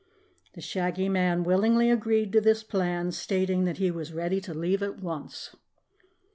The Shaggy Man willingly agreed to this plan, stating that he was ready to leave at once.